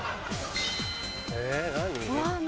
え何？